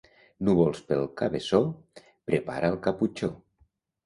Núvols pel Cabeçó, prepara el caputxó.